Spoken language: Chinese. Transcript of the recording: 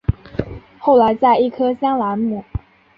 后来在一棵香兰木。